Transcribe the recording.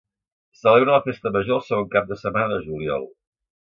Celebra la festa Major el segon cap de setmana de juliol.